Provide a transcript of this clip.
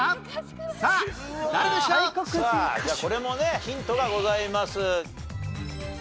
さあこれもねヒントがございます。